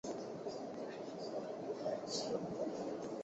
曝光是相机把光记录进感光媒体里的过程。